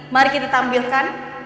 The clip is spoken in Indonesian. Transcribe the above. mari kita tampilkan